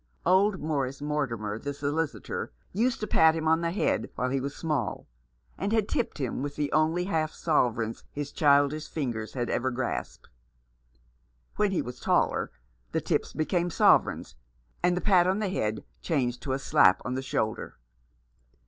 Old Morris Mortimer, the solicitor, used to pat him on the head while he was small, and had tipped him with the only half sovereigns his childish fingers had ever grasped. When he was taller the tips became sovereigns, and the pat on the head changed to a slap on the shoulder.